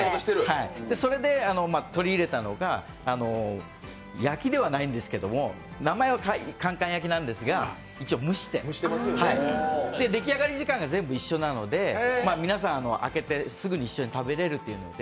それで取り入れたのが、焼きではないんですけど、名前はカンカン焼きなんですが一応、蒸して、出来上がり時間が全部一緒なので皆さん開けて、すぐに一緒に食べれると言って。